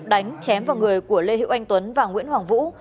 đánh chém vào người của lê hữu anh tuấn và nguyễn hoàng vũ